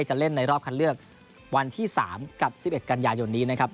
จะเล่นในรอบคันเลือกวันที่สามกับสิบเอ็ดกันยาหย่อนนี้นะครับ